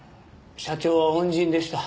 社長は恩人でした。